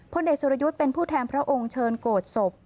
เด็กสุรยุทธ์เป็นผู้แทนพระองค์เชิญโกรธศพ